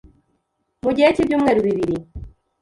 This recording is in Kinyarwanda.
mu gihe cy’ibyumweru bibiri.